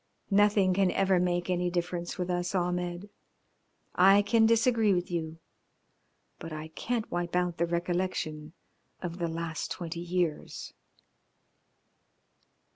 "Nothing can ever make any difference with us, Ahmed. I can disagree with you, but I can't wipe out the recollection of the last twenty years."